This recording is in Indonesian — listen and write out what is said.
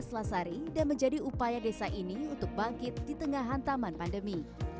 selasari dan menjadi upaya desa ini untuk bangkit di tengah hantaman pandemi